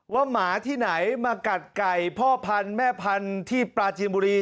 หมาที่ไหนมากัดไก่พ่อพันธุ์แม่พันธุ์ที่ปลาจีนบุรี